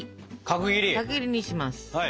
角切りにします。